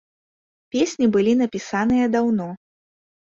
Песні былі напісаныя даўно.